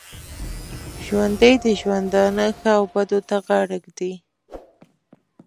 ژوندي د ژوندانه ښو او بدو ته غاړه ږدي